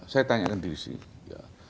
saya tanyakan diri sendiri